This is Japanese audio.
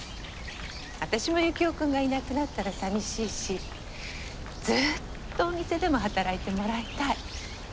私もユキオ君がいなくなったら寂しいしずっとお店でも働いてもらいたい。